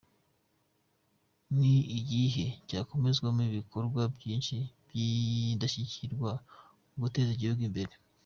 Ni igihe cyakozwemo ibikorwa byinshi by’indashyikirwa mu guteza igihugu imbere.